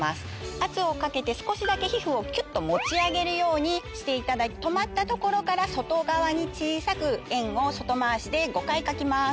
圧をかけて少しだけ皮膚をきゅっと持ち上げるようにしていただいて止まったところから外側に小さく円を外回しで５回描きます。